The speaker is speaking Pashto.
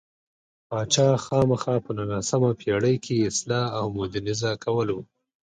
پاچا خاما په نولسمه پېړۍ کې اصلاح او مودرنیزه کول و.